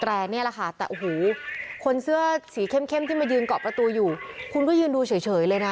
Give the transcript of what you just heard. แต่อ่ะหูคนเสื้อสีเข้มที่มายืนกอบประตูอยู่คุณยืนดูเฉยเลยนะ